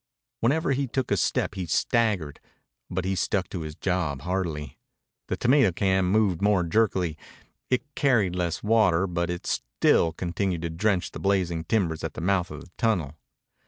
Whenever he took a step he staggered. But he stuck to his job hardily. The tomato can moved more jerkily. It carried less water. But it still continued to drench the blazing timbers at the mouth of the tunnel.